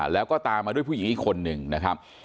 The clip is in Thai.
แล้วก็ตามมาด้วยผู้หญิงอีกคนหนึ่งนะครับ